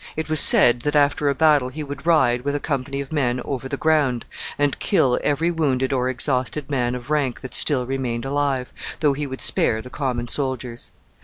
It was said that after a battle he would ride with a company of men over the ground, and kill every wounded or exhausted man of rank that still remained alive, though he would spare the common soldiers.